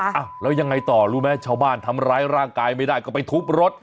อ้าวแล้วยังไงต่อรู้ไหมชาวบ้านทำร้ายร่างกายไม่ได้ก็ไปทุบรถ